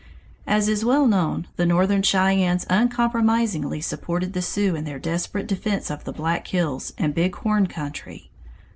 As is well known, the Northern Cheyennes uncompromisingly supported the Sioux in their desperate defense of the Black Hills and Big Horn country.